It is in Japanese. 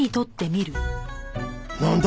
なんだ？